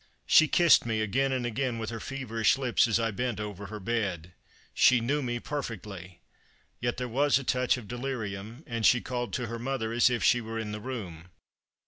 She kissed me again and again with her feverish lips as I bent over her bed. She knew me perfectly. Yet there was a touch of delirium ; and she called to her mother as if she were in the room.